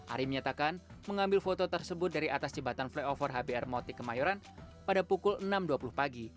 ari menyatakan mengambil foto tersebut dari atas jembatan flyover hbr moti kemayoran pada pukul enam dua puluh pagi